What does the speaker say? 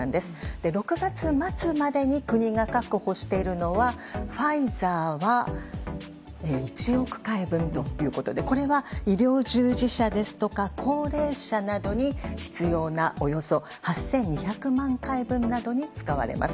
６月末までに国が確保しているのはファイザーは１億回分でこれは医療従事者ですとか高齢者などに必要なおよそ８２００万回分などに使われます。